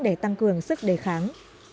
để tăng cường sức đề kháng